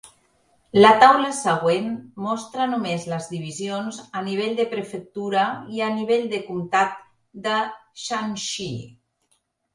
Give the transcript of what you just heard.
La taula següent mostra només les divisions a nivell de prefectura i a nivell de comtat de Shaanxi.